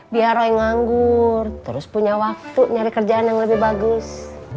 biar roy nganggur terus punya waktu nyari kerjaan yang lebih bagus